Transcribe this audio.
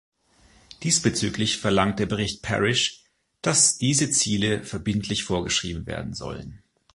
Diesbezüglich verlangt der Bericht Parish, dass diese Ziele verbindlich vorgeschrieben werden sollen.